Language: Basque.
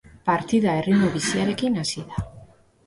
Partida erritmo biziarekin hasi da.